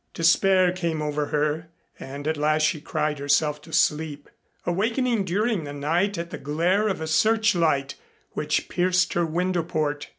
Despair came over her and at last she cried herself to sleep, awakening during the night at the glare of a searchlight which pierced her window port.